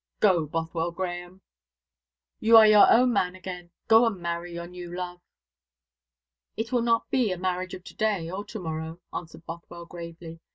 Go, Bothwell Grahame, you are your own man again; go and marry your new love." "It will not be a marriage of to day or to morrow," answered Bothwell gravely.